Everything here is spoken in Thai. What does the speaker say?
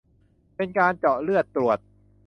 เป็นการเจาะเลือดตรวจ